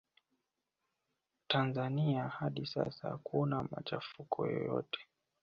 tanzania hadi sasa hakuna machafuko yoyote